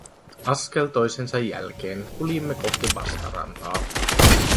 Askel toisensa jälkeen kuljimme kohti vastarantaa.